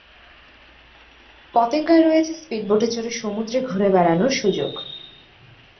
পতেঙ্গায় রয়েছে স্পীড-বোটে চড়ে সমুদ্রে ঘুরে বেড়ানোর সুযোগ রয়েছে।